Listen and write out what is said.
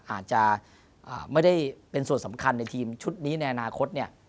อาจจะไม่ได้เป็นส่วนสำคัญในทีมชุดนี้ในอนาคตเนี่ย